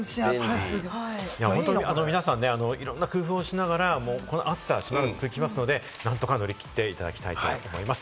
本当、皆さん、いろんな工夫をしながら、この暑さはしばらく続きますので、何とか乗り切っていただきたいと思います。